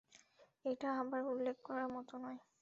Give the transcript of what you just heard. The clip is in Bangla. এটা আবার উল্লেখ করার মতো নয়।